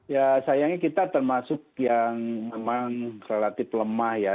ya sayangnya kita termasuk yang memang relatif lemah ya